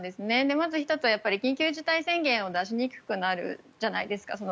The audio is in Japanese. まず１つは緊急事態宣言を出しにくくなるじゃないですか。